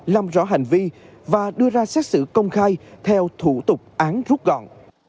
làm rõ hành vi và đưa ra xét xử công khai theo thủ tục án rút gọn